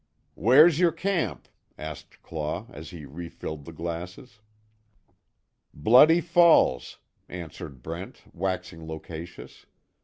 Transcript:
"Wher's yer camp?" asked Claw, as he refilled the glasses. "Bloody Falls," answered Brent, waxing loquacious.